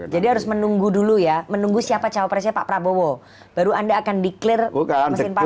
jadi harus menunggu dulu ya menunggu siapa cowok presnya pak prabowo baru anda akan deklarasi mesin partai